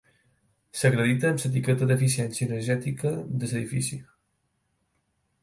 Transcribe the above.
S'acredita amb l'etiqueta d'eficiència energètica de l'edifici.